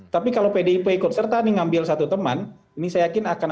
tapi kalau pdip ikut serta ini ngambil satu teman ini saya yakin akan ada partai yang ketinggalan kereta